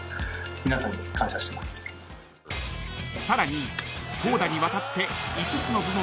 ［さらに］